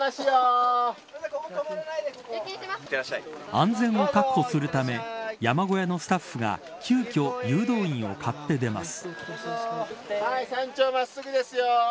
安全を確保するため山小屋のスタッフが急きょ誘導員を買って出ます。